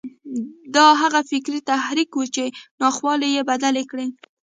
دا هغه فکري تحرک و چې ناخوالې یې بدلې کړې